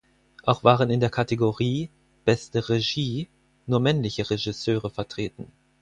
Auch waren in der Kategorie "Beste Regie" nur männliche Regisseure vertreten.